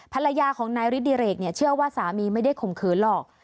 ภรรยาของนายฤทธิเรกเนี่ยเชื่อว่าสามีไม่ได้ข่มขืนหรอก